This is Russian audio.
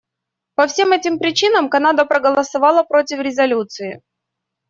По всем этим причинам Канада проголосовала против резолюции.